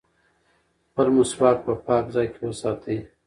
خپل مسواک په پاک ځای کې وساتئ.